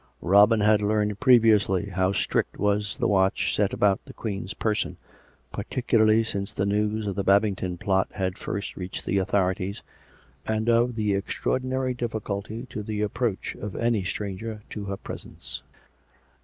Robin had learned previously how strict was the watch set about the Queen's person, par ticularly since the news of the Babington plot had first reached the authorities, and of the extraordinary difficulty to the approach of any stranger to her presence.